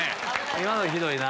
今のひどいな。